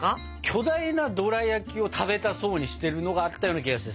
巨大なドラやきを食べたそうにしてるのがあったような気がしてさ。